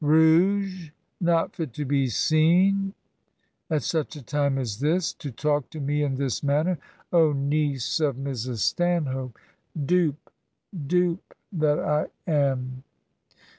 •.. 'Rouge I Not fit to be seen I At such a time as this, to talk to me in this manner! 0, niece of Mrs. Stanhope! dupe, dupe, that lam."'